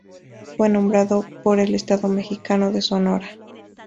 Fue nombrado por el estado mexicano de Sonora.